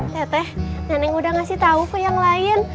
teh teh neneng udah ngasih tau ke yang lain